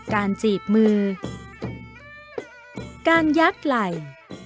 จีบมือการยักษ์ไหล่